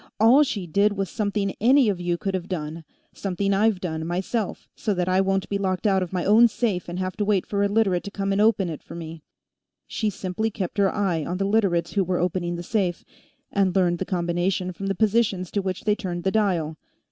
"All she did was something any of you could have done something I've done, myself, so that I won't be locked out of my own safe and have to wait for a Literate to come and open, it for me. She simply kept her eye on the Literates who were opening the safe, and learned the combination from the positions to which they turned the dial.